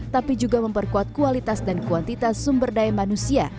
tapi juga memperkuat kualitas dan kuantitas sumber daya manusia